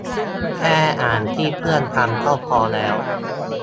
แค่อ่านที่เพื่อนทำก็พอแล้ว